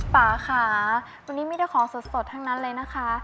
ป่าค่ะวันนี้มีแต่ของสดทั้งนั้นเลยนะคะ